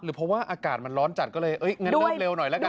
เพราะว่าอากาศมันร้อนจัดก็เลยงั้นเริ่มเร็วหน่อยแล้วกัน